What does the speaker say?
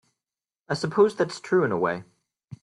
I suppose that's true in a way.